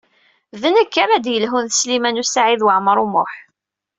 D nekk ara d-yelhun ed Sliman U Saɛid Waɛmaṛ U Muḥ.